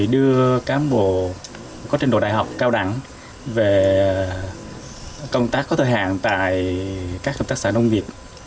đưa cám bộ có trình độ đại học cao đẳng về công tác có thời hạn tại các hợp tác xã nông nghiệp